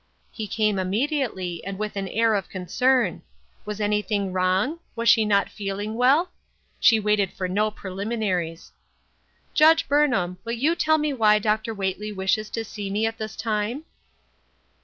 He came immediately, and with an air of con cern. Was anything wrong ? Was she not feeling well ? She waited for no preliminaries. " Judge Burnham, will you tell me why Dr. Whately wishes to see me at this time